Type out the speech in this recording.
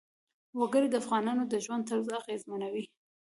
وګړي د افغانانو د ژوند طرز اغېزمنوي.